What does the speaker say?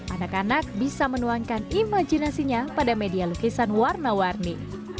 anak anak bisa menuangkan imajinasinya pada media lukisan warna warni